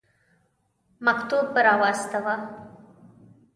مکتوب را واستاوه.